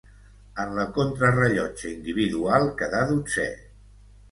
En la contrarellotge individual quedà dotzè.